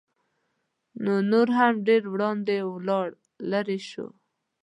نو نور هم ډېر وړاندې ولاړ لېرې شو.